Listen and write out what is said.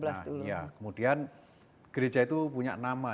nah ya kemudian gereja itu punya nama